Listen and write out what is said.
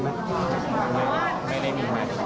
ไม่ได้มีไหม